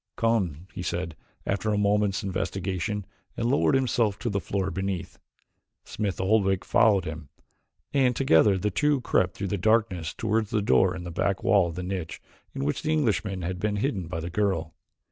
"Come," he said after a moment's investigation and lowered himself to the floor beneath. Smith Oldwick followed him, and together the two crept through the darkness toward the door in the back wall of the niche in which the Englishman had been hidden by the girl.